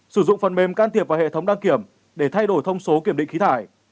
sử dụng phần mềm can thiệp vào hệ thống đăng kiểm để thay đổi thông số kiểm định khí thải